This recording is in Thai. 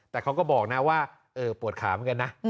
แต่เขาก็บอกนะว่าปวดขาเหมือนกันนะ